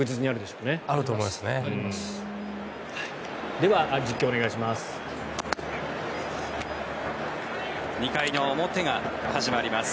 では実況お願いします。